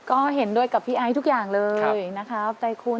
ก็เห็นด้วยกับพี่ไอซ์ทุกอย่างเลยนะครับใจคุณ